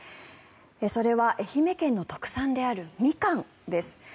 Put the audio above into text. それは、愛媛県の特産であるミカンです。